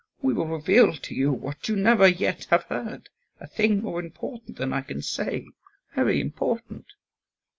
We will reveal to you what you never yet have heard, a thing more important than I can say very important!"